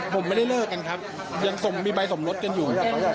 ผมไม่ได้เลิกกันครับยังมีใบสมรสกันอยู่